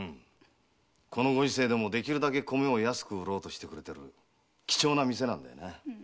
このご時世でもできるだけ米を安く売ろうとしてくれてる貴重な店なんだよな。